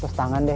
terus tangan deh